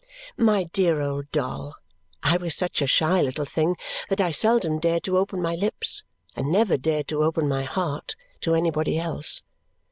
My dear old doll! I was such a shy little thing that I seldom dared to open my lips, and never dared to open my heart, to anybody else.